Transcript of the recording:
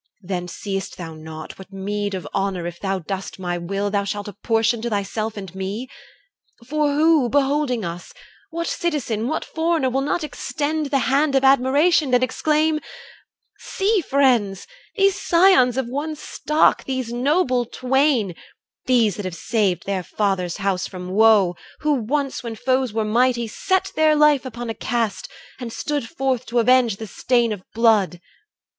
Then seest thou not What meed of honour, if thou dost my will, Thou shalt apportion to thyself and me? For who, beholding us, what citizen, What foreigner, will not extend the hand Of admiration, and exclaim, 'See, friends, These scions of one stock, these noble twain, These that have saved their father's house from woe, Who once when foes were mighty, set their life Upon a cast, and stood forth to avenge The stain of blood!